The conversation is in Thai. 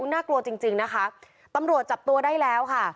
น่ากลัวจริงจริงนะคะตำรวจจับตัวได้แล้วค่ะ